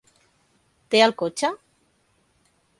Té el cotxe?